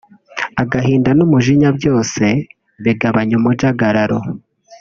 agahinda n’umujinya byose bigabanya umujagararo